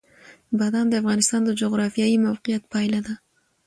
بادام د افغانستان د جغرافیایي موقیعت پایله ده.